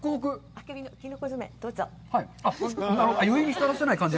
あけびのキノコ詰め、どうぞ。